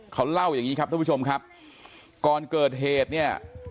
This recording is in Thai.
เขาเล่าอย่างนี้ครับท่านผู้ชมครับก่อนเกิดเหตุเนี่ย